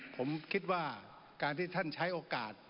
ผมคิดว่าการที่ท่านใช้โอกาส